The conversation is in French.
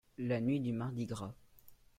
la nuit du Mardi-Gras.